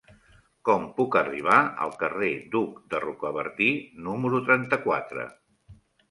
Com puc arribar al carrer d'Hug de Rocabertí número trenta-quatre?